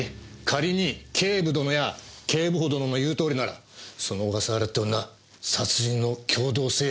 仮に警部殿や警部補殿の言うとおりならその小笠原っていう女殺人の共同正犯ですよね？